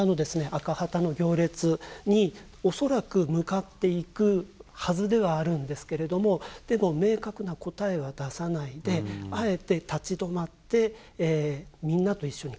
赤旗の行列に恐らく向かっていくはずではあるんですけれどもでも明確な答えは出さないであえて立ち止まってみんなと一緒に考えようとしている。